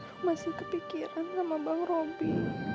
aku masih kepikiran sama bang roby